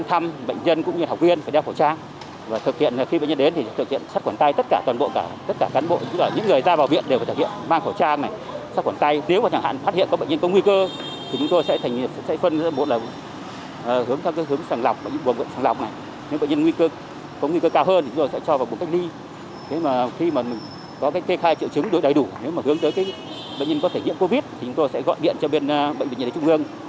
thế mà khi mà mình có cách thê khai triệu chứng đối đầy đủ nếu mà hướng tới bệnh nhân có thể nhiễm covid thì chúng tôi sẽ gọi điện cho bên bệnh nhân trung ương